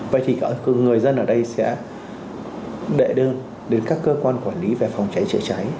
vậy thì người dân ở đây sẽ đệ đơn đến các cơ quan quản lý về phòng cháy chữa cháy